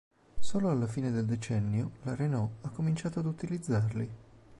Solo alla fine del decennio la Renault ha cominciato ad utilizzarli.